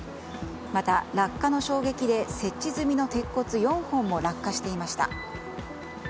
また、落下の衝撃で設置済みの鉄骨４本も落下していました。